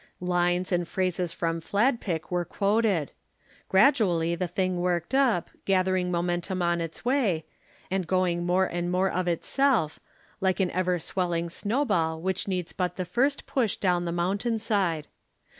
Lines and phrases from Fladpick were quoted. Gradually the thing worked up, gathering momentum on its way, and going more and more of itself, like an ever swelling snowball which needs but the first push down the mountain side.